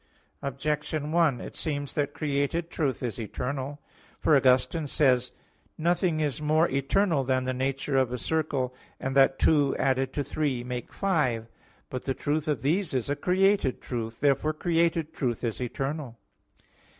Objection 1: It seems that created truth is eternal. For Augustine says (De Lib. Arbit. ii, 8) "Nothing is more eternal than the nature of a circle, and that two added to three make five." But the truth of these is a created truth. Therefore created truth is eternal.